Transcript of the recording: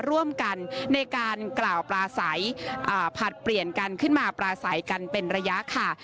ร่วมกันในการกล่าวปลาใสผลัดเปลี่ยนกันขึ้นมาปลาใสกันเป็นระยะค่ะ